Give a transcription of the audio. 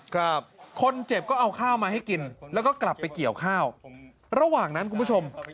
ครับคนเจ็บก็เอาข้าวมาให้กินแล้วก็กลับไปเกี่ยวข้าวระหว่างนั้นคุณผู้ชม